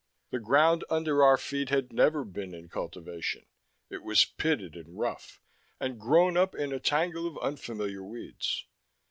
The ground under our feet had never been in cultivation. It was pitted and rough, and grown up in a tangle of unfamiliar weeds.